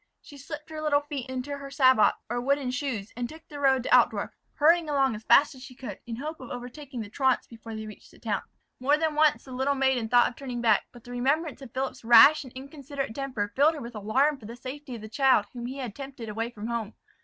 She slipped her little feet into her sabots, or wooden shoes, and took the road to Altdorf, hurrying along as fast as she could, in hope of overtaking the truants before they reached the town. More than once the little maiden thought of turning back, but the remembrance of Philip's rash and inconsiderate temper filled her with alarm for the safety of the child whom he had tempted away from home.